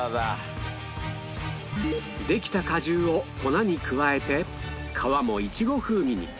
できた果汁を粉に加えて皮もいちご風味に